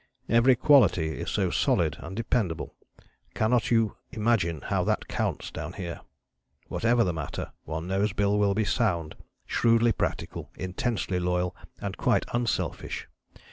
Every quality is so solid and dependable; cannot you imagine how that counts down here? Whatever the matter, one knows Bill will be sound, shrewdly practical, intensely loyal and quite unselfish.